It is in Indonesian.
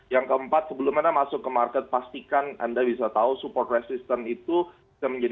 yang keempat sebelum anda masuk ke market pastikan anda bisa tahu support resistance itu bisa menjadi